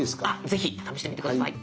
ぜひ試してみて下さい。